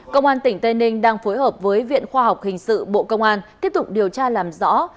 công an tỉnh tây ninh đang phối hợp với viện khoa học hình sự bộ công an tiếp tục điều tra làm rõ